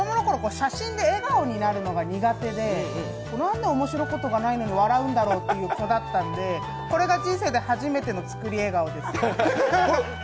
写真で笑顔になるのが苦手で、なんで面白いことがないのに笑うんだろうという子だったので、これが人生で初めての作り笑顔です。